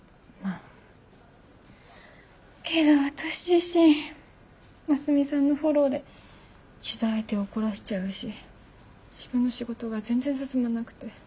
けど私自身ますみさんのフォローで取材相手を怒らせちゃうし自分の仕事が全然進まなくて。